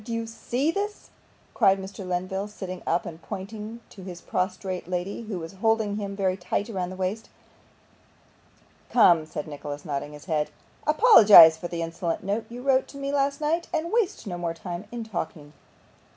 Do you see THIS?' cried Mr. Lenville, sitting up, and pointing to his prostrate lady, who was holding him very tight round the waist. 'Come,' said Nicholas, nodding his head, 'apologise for the insolent note you wrote to me last night, and waste no more time in talking.